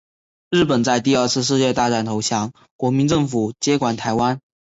日本在第二次世界大战投降，国民政府接管台湾。